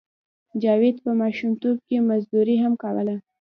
جاوید په ماشومتوب کې مزدوري هم کوله